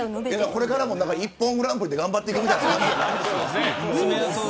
これからもＩＰＰＯＮグランプリで頑張っていくみたいですよね。